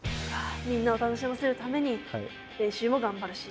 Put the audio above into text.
みんなを楽しませるために練習も頑張るし。